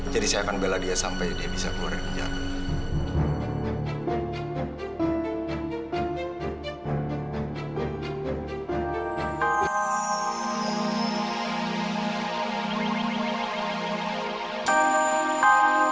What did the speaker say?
jadi saya akan bela dia sampai dia bisa keluar dari jatuh